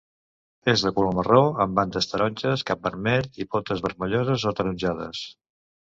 És de color marró amb bandes taronges, cap vermell i potes vermelloses o ataronjades.